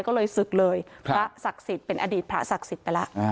ก็เลยศึกเลยพระศักดิ์สิทธิ์เป็นอดีตพระศักดิ์สิทธิ์ไปแล้ว